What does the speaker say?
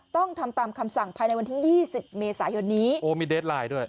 ต้องทำตามคำสั่งภายในวันที่ยี่สิบเมษายนนี้โอ้มีเดสไลน์ด้วย